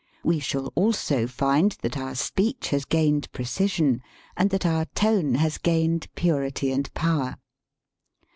We shall also find that our speech has gained precision and that our tone has gained purity and power.